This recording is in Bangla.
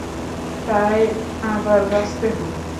তাই, আবার বাঁচতে হয়।